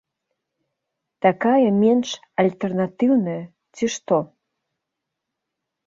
Такая менш альтэрнатыўная, ці што.